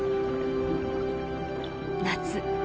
夏